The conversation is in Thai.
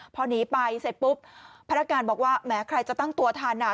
พอหนีไปเสร็จปุ๊บพลักการบอกว่าแม้ใครจะตั้งตัวทารณะตอนนั้น